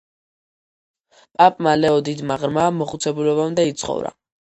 პაპმა ლეო დიდმა ღრმა მოხუცებულობამდე იცხოვრა.